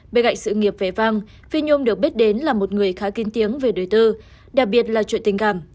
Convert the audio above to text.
bên cạnh sự nghiệp vẻ vang phi nhôm được biết đến là một người khá kinh tiếng về đời tư đặc biệt là chuyện tình cảm